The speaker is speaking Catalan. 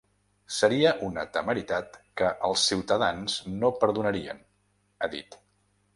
Seria una temeritat que els ciutadans no perdonarien, ha dit.